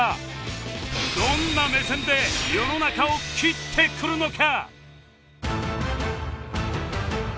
どんな目線で世の中を斬ってくるのか？